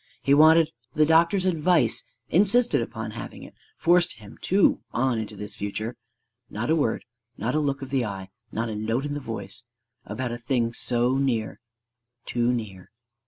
He wanted the doctor's advice, insisted upon having it, forced him too on into this future. Not a word, not a look of the eye, not a note in the voice, about a thing so near, too near.